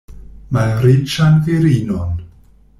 Malriĉan virinon!